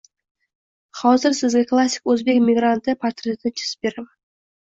Hozir sizga klassik o‘zbek migranti portretini chizib beraman.